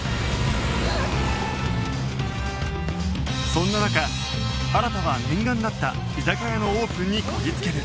そんな中新は念願だった居酒屋のオープンにこぎ着ける